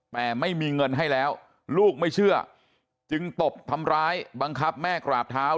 แต่ไม่มีเงินให้แล้วลูกไม่เชื่อจึงตบทำร้ายบังคับแม่กราบเท้า